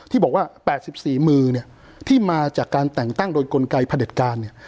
ที่บอกว่า๘๔มือเนี่ยที่มาจากการแต่งตั้งโดยกลไกพระเด็จการเนี่ย